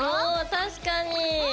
お確かに。